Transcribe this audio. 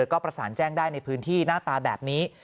ก็ประสานแจ้งได้ในพื้นที่หน้าตาแบบนี้